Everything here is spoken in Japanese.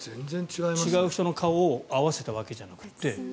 違う人の顔を合わせたわけじゃなくて。